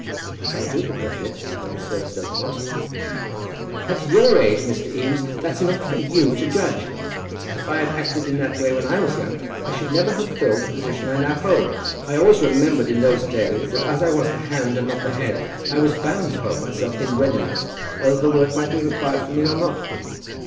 "I do begrudge it when the service doesn't want it." "At your age, Mr. Eames, that's not for you to judge. If I had acted in that way when I was young I should never have filled the position I now hold. I always remembered in those days that as I was the hand and not the head, I was bound to hold myself in readiness whether work might be required from me or not."